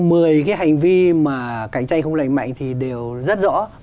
trong một mươi cái hành vi mà cạnh tranh không lại mạnh thì đều rất rõ